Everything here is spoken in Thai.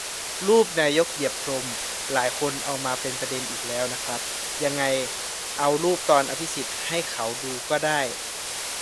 รูปนายกเหยียบพรมหลายคนเอามาเป็นประเด็นอีกแล้วนะครับ ยังไงเอารูปตอนอภิสิทธิ์ให้เค้าดูก็ได้